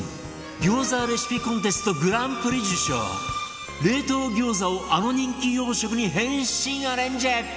餃子レシピコンテストグランプリ受賞冷凍餃子をあの人気洋食に変身アレンジ！